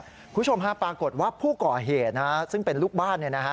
คุณผู้ชมฮะปรากฏว่าผู้ก่อเหตุซึ่งเป็นลูกบ้าน